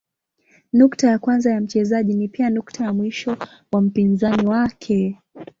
Nukta ya kwanza ya mchezaji ni pia nukta ya mwisho wa mpinzani wake.